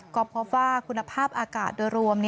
ก็พบว่าคุณภาพอากาศโดยรวม